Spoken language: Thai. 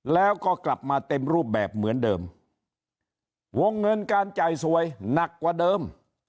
แล้วก็กลับมาเต็มรูปแบบเหมือนเดิมวงเงินการจ่ายสวยหนักกว่าเดิม